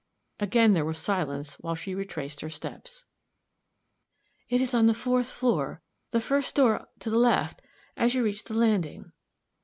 Again there was silence while she retraced her steps. "It is on the fourth floor, the first door to the left, as you reach the landing."